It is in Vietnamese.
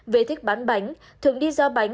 vê thích bán bánh thường đi ra bánh